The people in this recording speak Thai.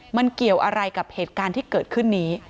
มันเกี่ยวอะไรกับเหตุการณ์ที่เกิดขึ้นนี้